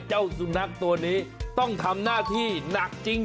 เจ้าสุนัขตัวนี้ต้องทำหน้าที่หนักจริง